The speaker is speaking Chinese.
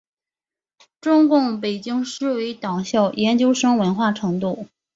中共北京市委党校研究生文化程度。